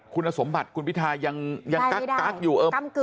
คุณสมบัติคุณพิทายังกั๊กอยู่